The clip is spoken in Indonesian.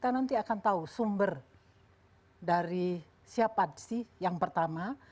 kita nanti akan tahu sumber dari siapa sih yang pertama